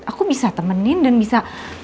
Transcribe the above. aku bisa temenin dan bisa